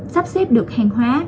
sắp xếp được hàng hóa